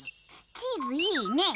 チーズいいね！